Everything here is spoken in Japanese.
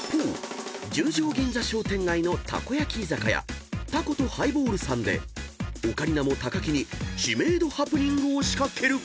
銀座商店街のたこ焼き居酒屋「タコとハイボール」さんでオカリナも木に知名度ハプニングを仕掛ける］